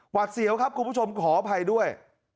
เสียวครับคุณผู้ชมขออภัยด้วย